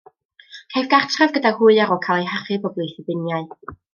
Caiff gartref gyda hwy ar ôl cael ei hachub o blith y biniau.